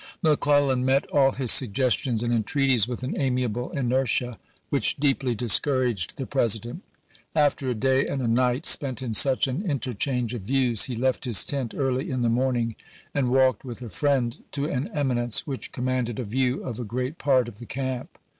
^ McClellan met all chap. ix. his suggestions and entreaties with an amiable inertia, which deeply discouraged the President. After a day and a night spent in such an inter change of views he left his tent early in the morn ing and walked with a friend^ to an eminence which commanded a view of a great part of the camp.